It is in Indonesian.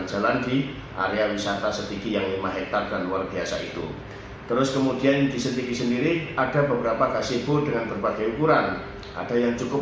setiap hari petugas yang menikmati liburan tetapi cap asal diri sebagai petugas ter astronautis